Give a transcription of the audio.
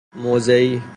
موضعی